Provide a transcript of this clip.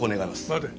待て。